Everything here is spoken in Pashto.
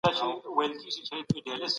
يو سړی په برخي کي کار کړی.